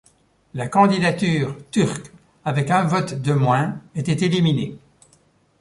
La candidature turque, avec un vote de moins, était éliminée.